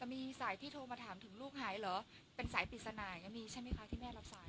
มีสายที่โทรมาถามถึงลูกหายเหรอเป็นสายปริศนายังมีใช่ไหมคะที่แม่รับสาย